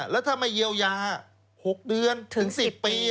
แล้วถ้าไม่เยียวยา๖เดือนถึง๑๐ปี